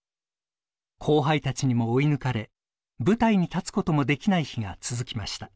後輩たちにも追い抜かれ舞台に立つこともできない日が続きました。